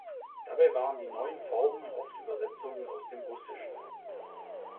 Dabei waren die neuen Formen oft Übersetzungen aus dem Russischen.